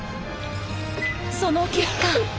その結果。